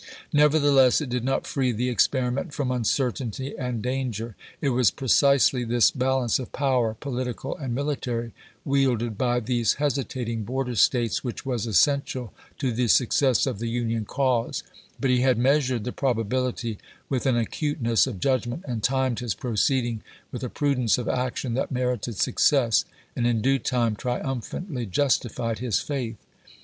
Nevertheless, it did not free the experiment from uncertainty and danger. It was precisely this bal ance of power, political and military, wielded by these hesitating border States, which was essential to the success of the Union cause; but he had measured the probability with an acuteness of judgment and timed his proceeding with a pru dence of action that merited success, and in due time triumphantly justified his faith.